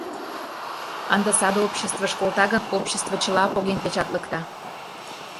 Ынде саде обществыш колта гын, обществе чыла поген печатлыкта.